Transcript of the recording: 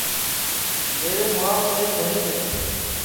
میرے مُُوھاپ میل گھٹؔی ہے